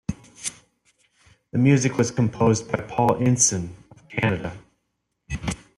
The music was composed by Paul Intson, of Canada.